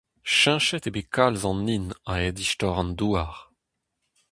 Cheñchet eo bet kalz an hin a-hed istor an Douar.